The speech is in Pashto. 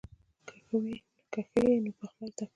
که ښه یې نو پخلی زده کړه.